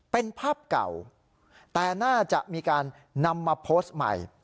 เป็นภาพเก่าแต่น่าจะมีการนำมาโพสต์ใหม่